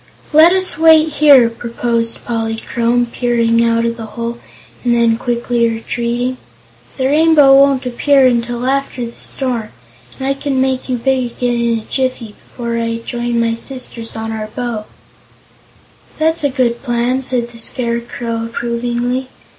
"Let us wait here," proposed Polychrome, peering out of the hole and then quickly retreating. "The Rainbow won't appear until after the storm and I can make you big again in a jiffy, before I join my sisters on our bow." "That's a good plan," said the Scarecrow approvingly.